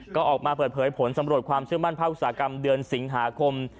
ก็ออกมาเปิดเผยผลสำรวจความเชื่อมั่นภาคอุตสาหกรรมเดือนสิงหาคม